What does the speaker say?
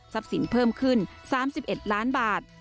ทรัพย์สินเพิ่มขึ้น๓๑ล้านบาท